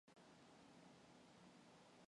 Бусад хүмүүсийн шаардлага ч мөн адил.